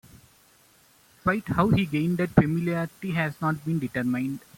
Quite how he gained that familiarity has not been determined.